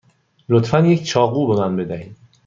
لطفا یک چاقو به من بدهید.